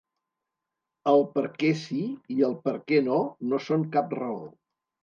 El «perquè sí» i el «perquè no» no són cap raó.